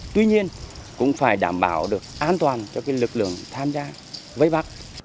tuy nhiên cũng phải đảm bảo được an toàn cho cái lực lượng tham gia với bắt